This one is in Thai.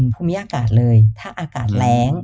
พรุ่งนี้อากาศเลยถ้าอากาศแรง